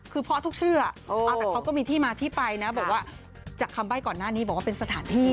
คือเพราะทุกชื่อแต่เขาก็มีที่มาที่ไปนะบอกว่าจากคำใบ้ก่อนหน้านี้บอกว่าเป็นสถานที่